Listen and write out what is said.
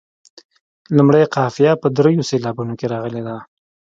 لومړۍ قافیه په دریو سېلابونو کې راغلې ده.